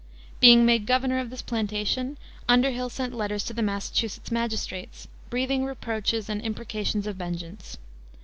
Being made governor of this plantation, Underhill sent letters to the Massachusetts magistrates, breathing reproaches and imprecations of vengeance.